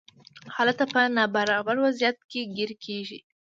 هلته په نابرابر وضعیت کې ګیر کیږي.